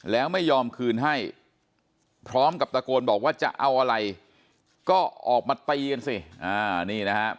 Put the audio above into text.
แล้วไม่ยอมคืนให้พร้อมกับตะโกนบอกว่าจะเอาอะไรก็ออกมาตีกันสินี่นะครับ